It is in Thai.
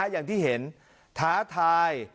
อย่างที่เห็นท้าทาย